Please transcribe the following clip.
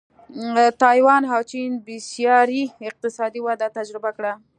تایوان او چین بېسارې اقتصادي وده تجربه کړه.